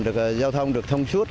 được giao thông được thông suốt